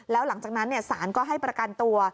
แล้วหลังจากนั้นศาลก็ให้ประกันตัว